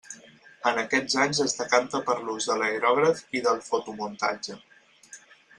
En aquests anys es decanta per l'ús de l'aerògraf i del fotomuntatge.